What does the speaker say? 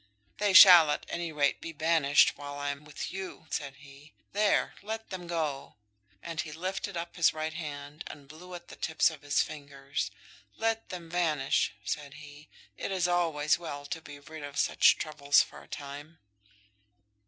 "They shall, at any rate, be banished while I am with you," said he. "There; let them go!" And he lifted up his right hand, and blew at the tips of his fingers. "Let them vanish," said he. "It is always well to be rid of such troubles for a time."